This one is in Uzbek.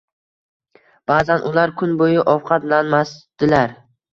Ba'zan ular kun bo'yi ovqatlanmasdilar.